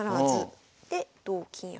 で同金上。